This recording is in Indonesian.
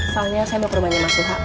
soalnya saya mau ke rumahnya mas suha